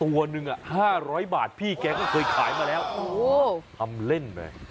ตัวหนึ่ง๕๐๐บาทพี่แกก็เคยขายมาแล้วทำเล่นเลย